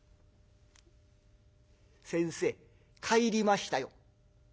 先生帰りましたよ」。